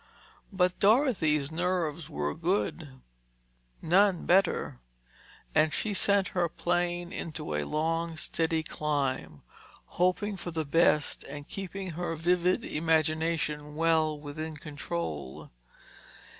But Dorothy's nerves were good—none better—and she sent her plane into a long, steady climb, hoping for the best and keeping her vivid imagination well within control.